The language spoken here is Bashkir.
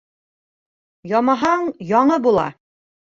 Ямаһаң, яңы була.